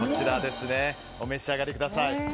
お召し上がりください。